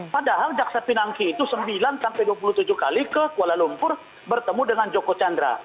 padahal jaksa pinangki itu sembilan sampai dua puluh tujuh kali ke kuala lumpur bertemu dengan joko chandra